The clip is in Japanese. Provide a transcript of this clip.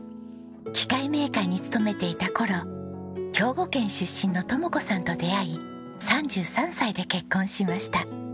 機械メーカーに勤めていた頃兵庫県出身の知子さんと出会い３３歳で結婚しました。